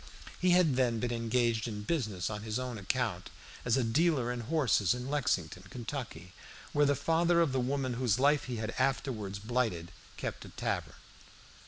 He had then been engaged in business on his own account as a dealer in horses in Lexington, Kentucky, where the father of the woman whose life he had afterwards blighted kept a tavern.